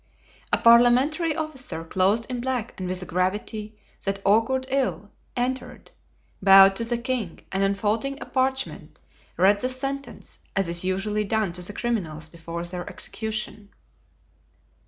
A parliamentary officer, clothed in black and with a gravity that augured ill, entered, bowed to the king, and unfolding a parchment, read the sentence, as is usually done to criminals before their execution.